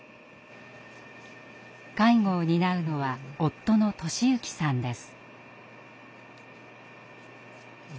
介護を担うのは夫の寿之さんです。